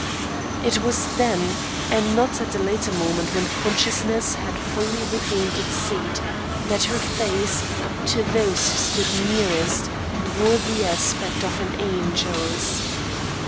It was then and not at a later moment when consciousness had fully regained its seat that her face, to those who stood nearest wore the aspect of an angel's.